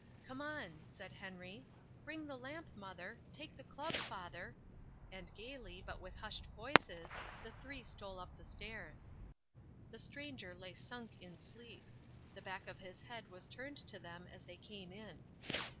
"Come on," said Henry; "bring the lamp, mother, take the club, father," and gaily, but with hushed voices, the three stole up the stairs. The stranger lay sunk in sleep. The back of his head was turned to them as they came in.